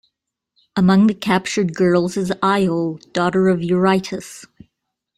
Among the captured girls is Iole, daughter of Eurytus.